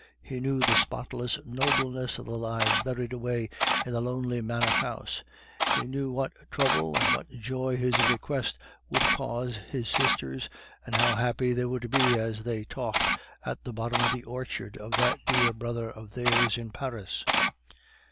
He knew the spotless nobleness of the lives buried away in the lonely manor house; he knew what trouble and what joy his request would cause his sisters, and how happy they would be as they talked at the bottom of the orchard of that dear brother of theirs in Paris.